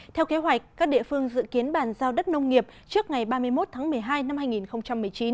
theo kế hoạch các địa phương dự kiến bàn giao đất nông nghiệp trước ngày ba mươi một tháng một mươi hai năm hai nghìn một mươi chín